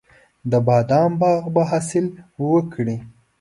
د بادامو باغ به حاصل وکړي.